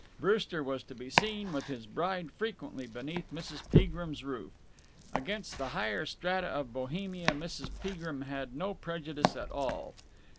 Brewster was to be seen with his bride frequently beneath Mrs. Peagrim's roof. Against the higher strata of Bohemia Mrs. Peagrim had no prejudice at all.